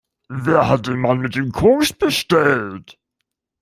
Wer hat den Mann mit dem Koks bestellt?